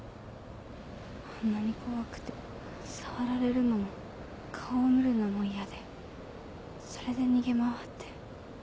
あんなに怖くて触られるのも顔を見るのもイヤでそれで逃げ回って。